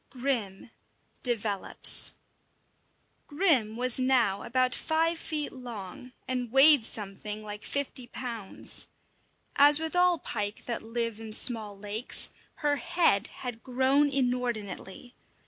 XII: GRIM DEVELOPS Grim was now about five feet long, and weighed something like fifty pounds. As with all pike that live in small lakes, her head had grown inordinately.